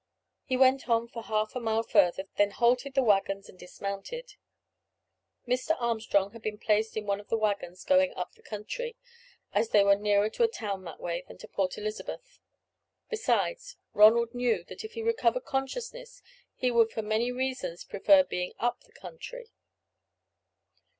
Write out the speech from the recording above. He went on for half a mile further, then halted the waggons and dismounted. Mr. Armstrong had been placed in one of the waggons going up the country, as they were nearer to a town that way than to Port Elizabeth; besides, Ronald knew that if he recovered consciousness, he would for many reasons prefer being up the country.